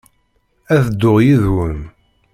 Ad dduɣ yid-wen.